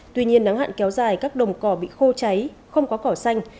tuy nhiên nắng hạn kéo dài các đồng cỏ bị khô cháy không có cỏ xanh